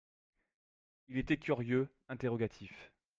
Il était curieux, interrogatif.